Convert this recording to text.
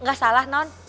nggak salah non